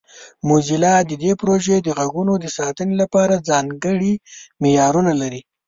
موزیلا د دې پروژې د غږونو د ساتنې لپاره ځانګړي معیارونه لري.